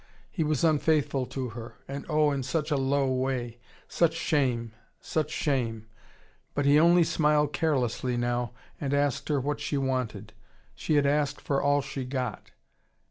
He was unfaithful to her: and oh, in such a low way. Such shame, such shame! But he only smiled carelessly now, and asked her what she wanted. She had asked for all she got.